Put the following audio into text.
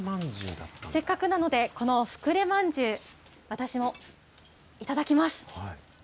せっかくなので、このふくれまんじゅう、私もいただきます。